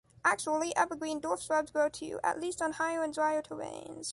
Actually, evergreen dwarf shrubs grow too, at least on higher and drier terrains.